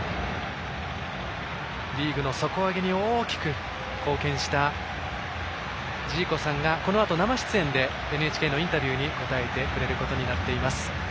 リーグ底上げに大きく貢献したジーコさんがこのあと、生出演でＮＨＫのインタビューに答えてくれることになっています。